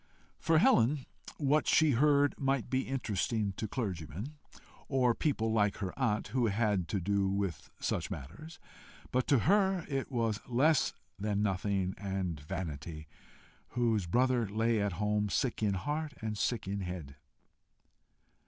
For Helen, what she heard might be interesting to clergymen, or people like her aunt who had to do with such matters, but to her it was less than nothing and vanity, whose brother lay at home "sick in heart and sick in head."